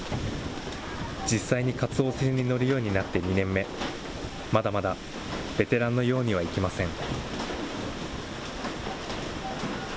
実際にかつお船に乗るようになって２年目、まだまだベテランのようにはいきません。